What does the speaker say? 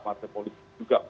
partai politik juga